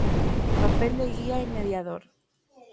Papel de guía y mediador.